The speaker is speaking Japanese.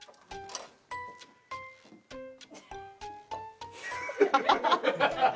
ハハハハ！